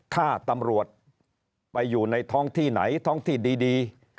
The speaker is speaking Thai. ถ้าตำรวจไปอยู่ในท้องที่ไหนท้องที่ดี